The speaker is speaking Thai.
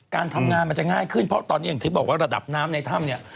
การทำงานมันจะง่ายขึ้นเพราะตอนนี้อย่างที่บอกว่าระดับน้ำในถ้ำเนี่ย